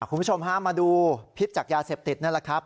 คุณผู้ชมฮะมาดูพิษจากยาเสพติดนั่นแหละครับ